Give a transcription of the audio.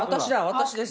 私です。